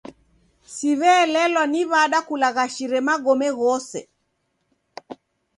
Siw'eelelwa ni w'ada kulagharishe magome ghose.